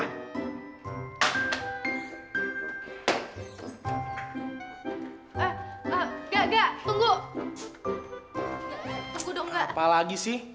tunggu dong gak